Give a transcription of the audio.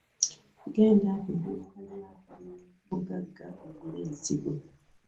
Genda ku dduuka lya kulima buggaga ogule ensigo